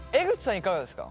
いかがですか？